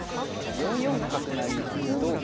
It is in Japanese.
４四角成同金